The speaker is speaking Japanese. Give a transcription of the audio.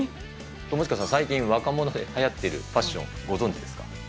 友近さん、最近、若者ではやっているファッション、ご存じですか？